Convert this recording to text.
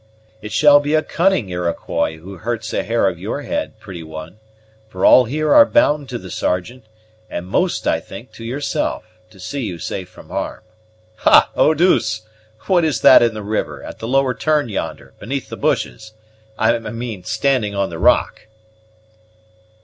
"It shall be a cunning Iroquois who hurts a hair of your head, pretty one; for all here are bound to the Sergeant, and most, I think, to yourself, to see you safe from harm. Ha, Eau douce! what is that in the river, at the lower turn, yonder, beneath the bushes, I mean standing on the rock?"